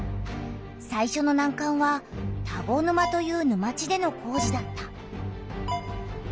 さいしょのなんかんは田子沼という沼地での工事だった。